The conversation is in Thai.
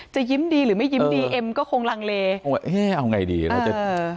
จะยิ้มดีหรือไม่ยิ้มดีเอ็มก็คงลังเลเอาไงดีเราจะเออ